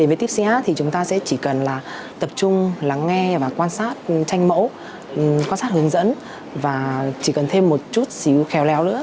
về tipsyart thì chúng ta sẽ chỉ cần tập trung lắng nghe và quan sát tranh mẫu quan sát hướng dẫn và chỉ cần thêm một chút xíu khéo leo nữa